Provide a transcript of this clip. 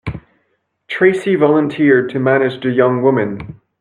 Tracey volunteered to manage the young woman.